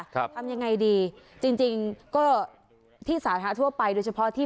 ทำยังไงดีจริงจริงก็ที่สาธารณะทั่วไปโดยเฉพาะที่